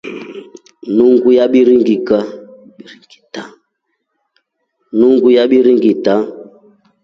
Nungu yabiringitra.